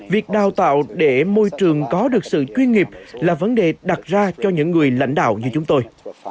việc đào tạo để môi trường có được sự chuyên nghiệp là vấn đề đặt ra cho những người lãnh đạo như chúng tôi